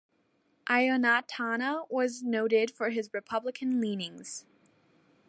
Ionatana was noted for his republican leanings.